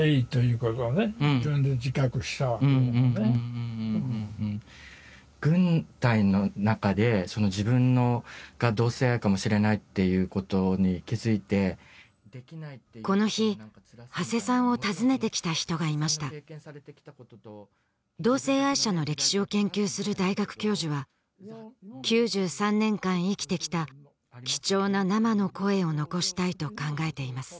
うんうんうん軍隊の中で自分が同性愛かもしれないっていうことに気づいてこの日長谷さんを訪ねてきた人がいました同性愛者の歴史を研究する大学教授は９３年間生きてきた貴重な生の声を残したいと考えています